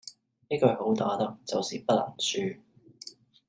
一句好打得就是不能輸